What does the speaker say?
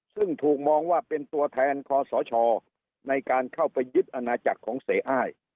ซึ่งถูกมองว่าเป็นตัวแทนคอสชในการเข้าไปยึดอาณาจักรของเสียอ้าย